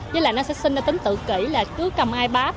với lại nó sẽ sinh ra tính tự kỹ là cứ cầm ipad